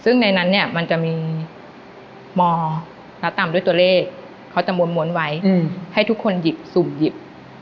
ซึ่งในนั้นเนี่ยมันจะมีมอแล้วตามด้วยตัวเลขเขาจะม้วนไว้ให้ทุกคนหยิบสุ่มหยิบ